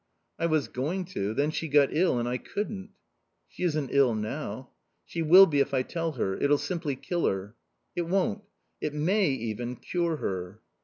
"I was going to. Then she got ill and I couldn't." "She isn't ill now." "She will be if I tell her. It'll simply kill her." "It won't. It may even cure her."